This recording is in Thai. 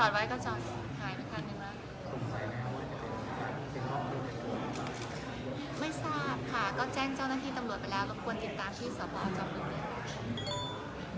ไม่ทราบค่ะก็แจ้งเจ้านักงานที่ตำรวจไปแล้วแล้วก็ควรติดตามที่สอบบอร์จอบไว้